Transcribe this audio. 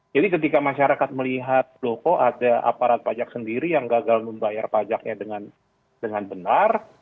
jadi ketika masyarakat melihat loko ada aparat pajak sendiri yang gagal membayar pajaknya dengan benar